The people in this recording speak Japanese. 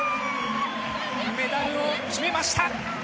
メダルを決めました。